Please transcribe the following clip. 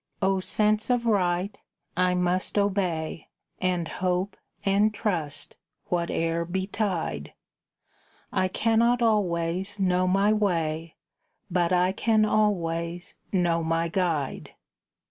O sense of right! I must obey, And hope and trust, whate'er betide; I cannot always know my way, But I can always know my Guide.